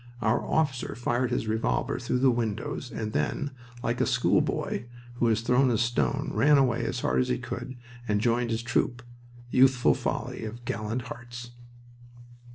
Our officer fired his revolver through the windows and then, like a schoolboy who has thrown a stone, ran away as hard as he could and joined his troop. Youthful folly of gallant hearts!